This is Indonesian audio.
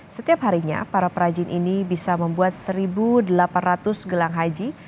setiap harinya para perajin ini bisa membuat satu delapan ratus gelang haji